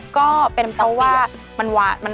ก็เป็นเพราะว่ามันหวาน